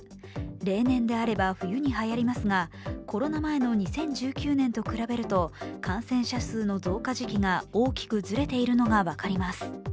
例年であれば冬にはやりますがコロナ前の２０１９年と比べると、感染者数の増加時期が大きくずれているのが分かります。